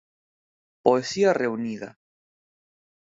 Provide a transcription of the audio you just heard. Poesía reunida.